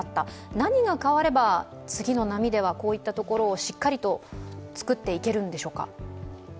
何が変われば、次の波ではこういったところをしっかりと作っていけるんでしょうか。